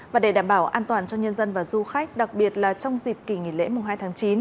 và để đảm bảo an toàn cho nhân dân và du khách đặc biệt là trong dịp kỳ nghỉ lễ hai tháng chín